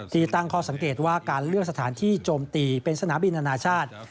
ที่ตั้งข้อสังเกตว่าการเลือกสถานที่โจมตีเป็นสนามบินอนาชาติ